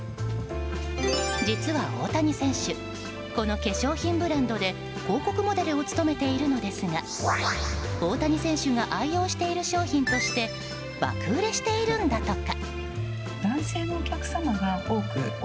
実は、大谷選手この化粧品ブランドで広告モデルを務めているのですが大谷選手が愛用している商品として爆売れしているんだとか。